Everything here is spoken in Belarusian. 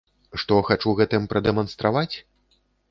Што хачу гэтым прадэманстраваць?